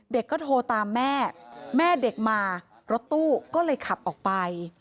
เด็กก็โทรตามแม่แม่เด็กมารถตู้ก็เลยขับออกไป